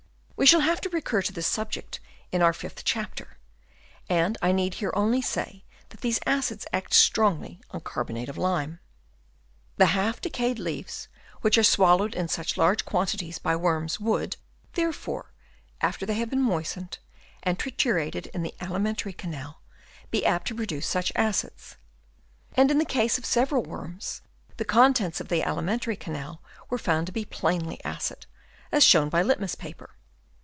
We shall have to recur to this subject in our fifth chapter, and I need here only say that these acids act strongly on carbonate of lime. The half decayed leaves which are swallowed in such large quantities by worms would, there fore, after they have been moistened and triturated in the alimentary canal, be apt to produce such acids. And in the case of several worms, the contents of the alimentary canal were found to be plainly acid, as shown by litmus paper.